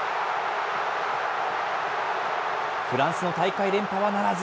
フランスの大会連覇はならず。